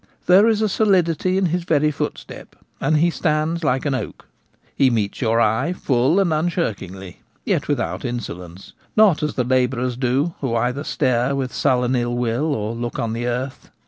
There is a solidity in his very footstep, and he stands like an oak. He meets your eye full and unshirk ingly, yet without insolence ; not as the labourers do, who either stare with sullen ill will or look on the earth.